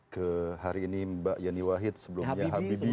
ke hari ini mbak yeni wahid sebelumnya habibie